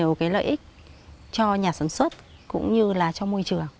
nó mang lại nhiều cái lợi ích cho nhà sản xuất cũng như là cho môi trường